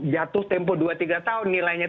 jatuh tempo dua tiga tahun nilainya